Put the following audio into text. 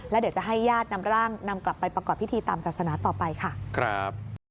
แล้วเดี๋ยวจะให้ญาตินำร่างนำกลับไปประกอบพิธีตามศาสนาต่อไปค่ะครับ